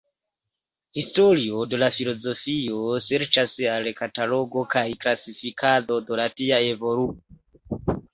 Historio de filozofio serĉas al katalogo kaj klasifikado de tia evoluo.